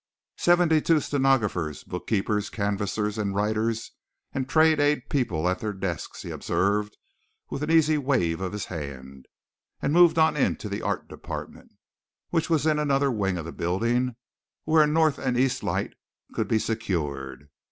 "Seventy two stenographers, book keepers, canvassers and writers and trade aid people at their desks," he observed with an easy wave of his hand, and moved on into the art department, which was in another wing of the building where a north and east light could be secured.